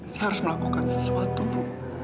saya harus melakukan sesuatu bu